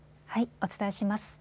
お伝えします。